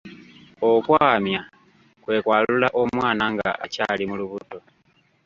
Okwamya kwe kwalula omwana nga akyali mu lubuto.